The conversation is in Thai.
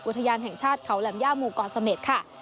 อุทยานแห่งชาติเขาแหลมย่าหมู่เกาะเสม็ดค่ะ